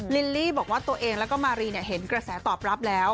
ลิลลี่บอกว่าตัวเองแล้วก็มารีเห็นกระแสตอบรับแล้ว